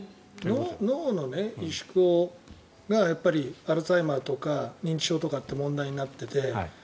脳の萎縮がアルツハイマーとか認知症とかって問題になってて。